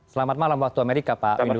selamat malam waktu amerika pak windu